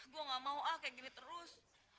gue gak mau ah kayak gini terus